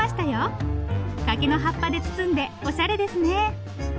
柿の葉っぱで包んでおしゃれですね。